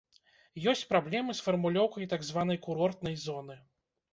Ёсць праблемы з фармулёўкай так званай курортнай зоны.